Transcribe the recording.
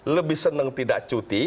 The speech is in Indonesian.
lebih senang tidak cuti